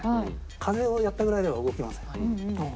風をやったぐらいでは動きません。